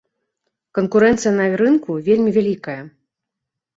Канкурэнцыя на рынку вельмі вялікая.